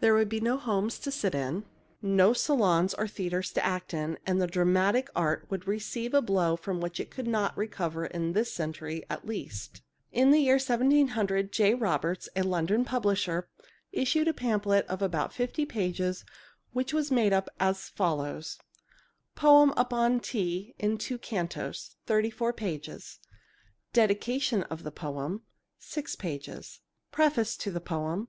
There would be no homes to sit in, no salons or theatres to act in, and dramatic art would receive a blow from which it could not recover in a century, at least. [Illustration of woman and cat] In the year 1700, J. Roberts, a London publisher, issued a pamphlet of about fifty pages which was made up as follows: Poem upon Tea in Two Cantos ... 34 pages Dedication of the poem ...... 6 " Preface to the poem ....